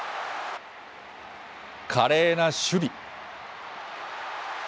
華麗な守備。